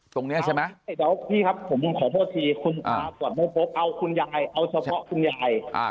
ตรงนี้ใช่ไหมเดี๋ยวพี่ครับผมขอโทษทีคุณอาตรวจไม่พบเอาคุณยายเอาเฉพาะคุณยาย